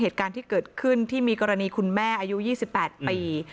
เหตุการณ์ที่เกิดขึ้นที่มีกรณีคุณแม่อายุ๒๘ปี